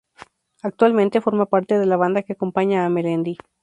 Actualmente forma parte de la banda que acompaña a Melendi.